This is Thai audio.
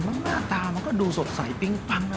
หน้าตามันก็ดูสดใสปิ๊งปังนะ